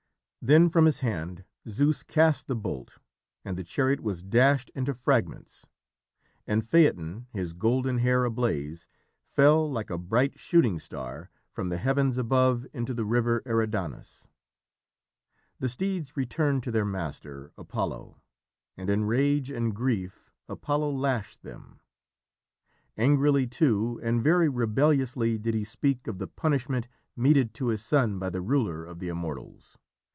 Then, from his hand, Zeus cast the bolt, and the chariot was dashed into fragments, and Phaeton, his golden hair ablaze, fell, like a bright shooting star, from the heavens above, into the river Eridanus. The steeds returned to their master, Apollo, and in rage and grief Apollo lashed them. Angrily, too, and very rebelliously did he speak of the punishment meted to his son by the ruler of the Immortals.